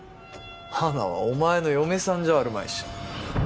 花はお前の嫁さんじゃあるまいし。